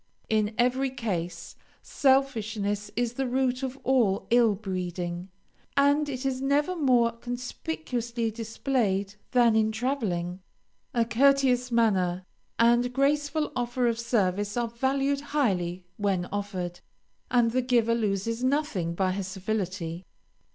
In every case, selfishness is the root of all ill breeding, and it is never more conspicuously displayed than in traveling. A courteous manner, and graceful offer of service are valued highly when offered, and the giver loses nothing by her civility.